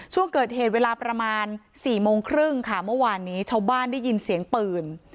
ช่วงเกิดเหตุเวลาประมาณ๔โมงครึ่งค่ะเมื่อวานนี้ชาวบ้านได้ยินเสียงปืน